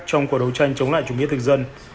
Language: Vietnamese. trong cuộc đấu tranh chống lại chủ nghĩa thực dân